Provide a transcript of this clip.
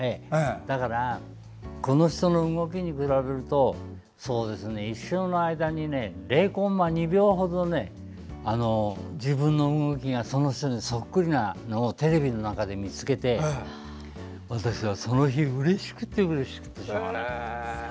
この人の動きに見られるとそうですね、一生の間に０コンマ２秒ほど自分の動きがその人にソックリなのをテレビの中で見つけて私は、その日うれしくてうれしくてしょうがなかった。